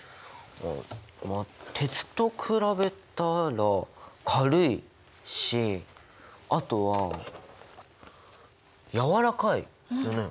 まあ鉄と比べたら軽いしあとはやわらかいよね。